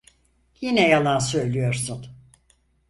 Yine yalan söylüyorsun.